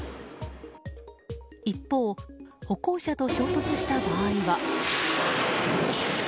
一方、歩行者と衝突した場合は。